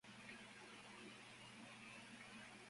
Por el norte es limitado por la Av.